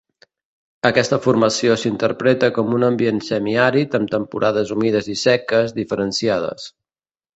Aquesta formació s'interpreta com un ambient semiàrid amb temporades humides i seques diferenciades.